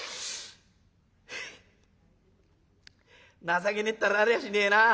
「情けねえったらありゃしねえな。